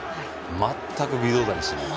全く微動だにしない。